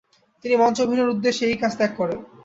তিনি মঞ্চে অভিনয়ের উদ্দেশ্যে এই কাজ ত্যাগ করেন।